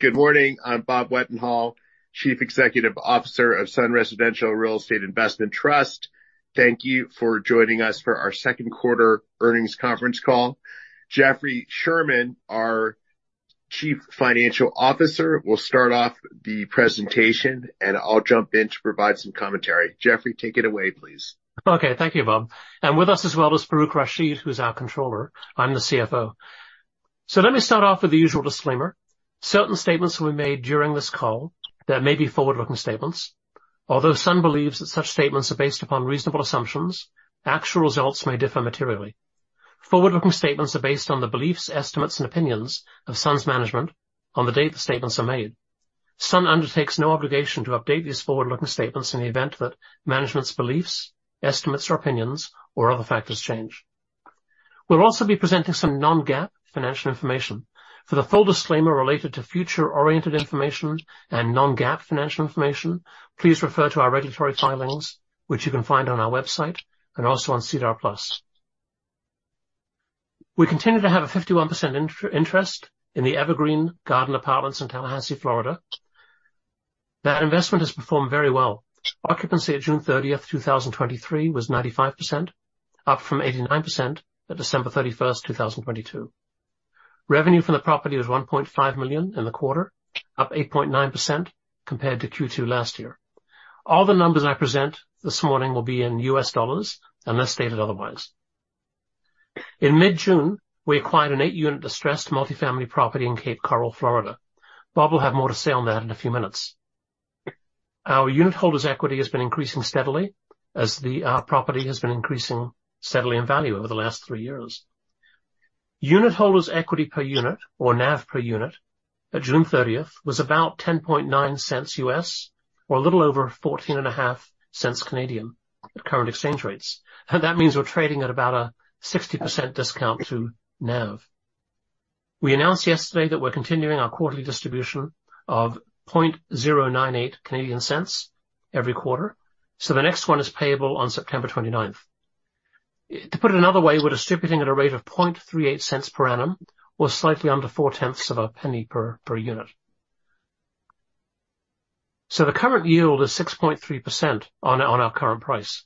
Good morning, I'm Bob Wetenhall, Chief Executive Officer of Sun Residential Real Estate Investment Trust. Thank you for joining us for our second quarter earnings conference call. Jeffrey Sherman, our Chief Financial Officer, will start off the presentation, and I'll jump in to provide some commentary. Jeffrey, take it away, please. Okay. Thank you, Bob. With us as well is Farooq Rashid, who's our Controller. I'm the CFO. Let me start off with the usual disclaimer. Certain statements will be made during this call that may be forward-looking statements. Although Sun believes that such statements are based upon reasonable assumptions, actual results may differ materially. Forward-looking statements are based on the beliefs, estimates, and opinions of Sun's management on the date the statements are made. Sun undertakes no obligation to update these forward-looking statements in the event that management's beliefs, estimates, or opinions, or other factors change. We'll also be presenting some non-GAAP financial information. For the full disclaimer related to future-oriented information and non-GAAP financial information, please refer to our regulatory filings, which you can find on our website and also on SEDAR+. We continue to have a 51% interest in the Evergreen Garden Apartments in Tallahassee, Florida. That investment has performed very well. Occupancy at June 30th, 2023, was 95%, up from 89% at December 31st, 2022. Revenue from the property was $1.5 million in the quarter, up 8.9% compared to Q2 last year. All the numbers I present this morning will be in US dollars, unless stated otherwise. In mid-June, we acquired an eight-unit distressed multifamily property in Cape Coral, Florida. Bob will have more to say on that in a few minutes. Our unitholders' equity has been increasing steadily as the property has been increasing steadily in value over the last three years. Unitholders' equity per unit, or NAV per unit, at June 30th, was about $0.109, or a little over 0.145, at current exchange rates. That means we're trading at about a 60% discount to NAV. We announced yesterday that we're continuing our quarterly distribution of 0.098 every quarter, so the next one is payable on September 29th. To put it another way, we're distributing at a rate of 0.0038 per annum, or slightly under 0.004 of a penny per unit. The current yield is 6.3% on our current price.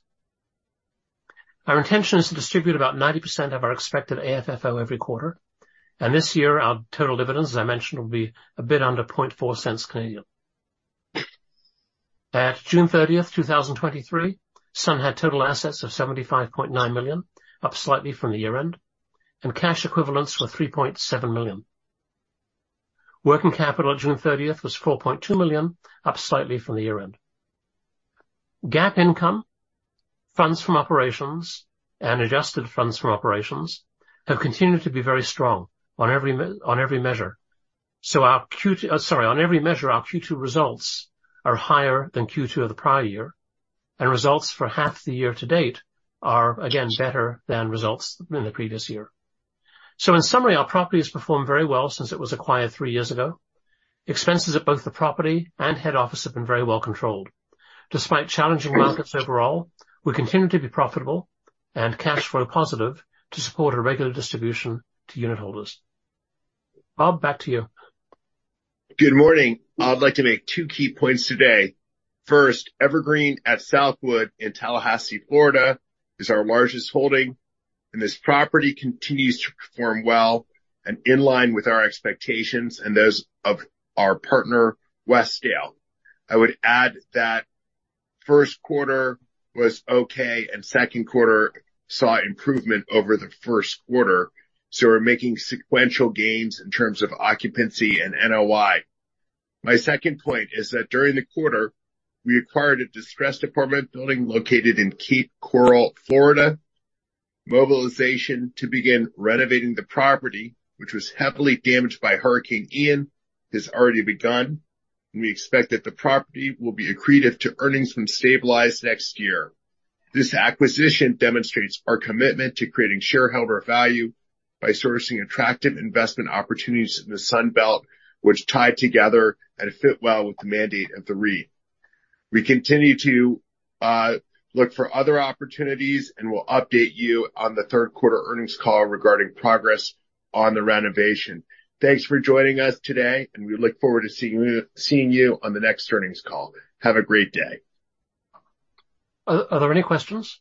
Our intention is to distribute about 90% of our expected AFFO every quarter, and this year our total dividends, as I mentioned, will be a bit under 0.004. At June 30th, 2023, Sun had total assets of $75.9 million, up slightly from the year end, and cash equivalents were $3.7 million. Working capital at June 30th was $4.2 million, up slightly from the year end. GAAP income, Funds from Operations, and Adjusted Funds from Operations have continued to be very strong on every measure. Sorry, on every measure, our Q2 results are higher than Q2 of the prior year, and results for half the year to date are, again, better than results in the previous year. In summary, our property has performed very well since it was acquired three years ago. Expenses at both the property and head office have been very well controlled. Despite challenging markets overall, we continue to be profitable and cash flow positive to support a regular distribution to unitholders. Bob, back to you. Good morning. I'd like to make two key points today. First, Evergreen at Southwood in Tallahassee, Florida, is our largest holding, and this property continues to perform well and in line with our expectations and those of our partner, Westdale. I would add that 1st quarter was okay and 2nd quarter saw improvement over the 1st quarter, so we're making sequential gains in terms of occupancy and NOI. My second point is that during the quarter, we acquired a distressed apartment building located in Cape Coral, Florida. Mobilization to begin renovating the property, which was heavily damaged by Hurricane Ian, has already begun, and we expect that the property will be accretive to earnings when stabilized next year. This acquisition demonstrates our commitment to creating shareholder value by sourcing attractive investment opportunities in the Sun Belt, which tie together and fit well with the mandate of the REIT. We continue to look for other opportunities. We'll update you on the third quarter earnings call regarding progress on the renovation. Thanks for joining us today. We look forward to seeing you on the next earnings call. Have a great day. Are, are there any questions?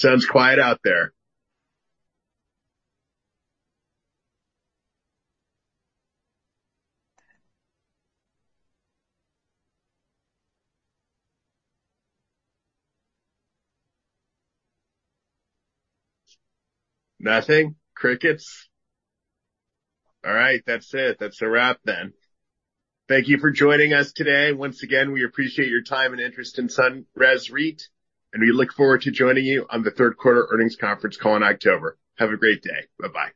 Sounds quiet out there. Nothing? Crickets. All right, that's it. That's a wrap then. Thank you for joining us today. Once again, we appreciate your time and interest in Sun Residential REIT. We look forward to joining you on the third quarter earnings conference call in October. Have a great day. Bye-bye.